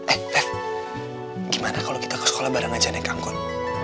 eh raif gimana kalo kita ke sekolah bareng aja nih kangkut